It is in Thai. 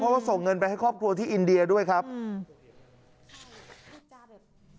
เขาก็ส่งเงินไปให้ครอบครัวที่อินเดียด้วยครับ